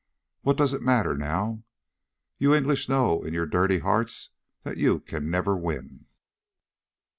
What does it matter now? You English know in your dirty hearts that you can never win!"